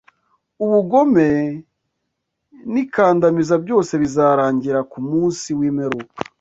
ubugome n’ikandamiza byose bizarangira ku munsi w’ imperuka